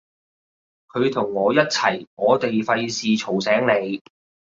佢同我一齊，我哋費事嘈醒你